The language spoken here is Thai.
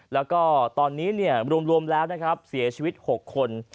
และตอนนี้รวมลงแล้วเสียชีวิต๖คน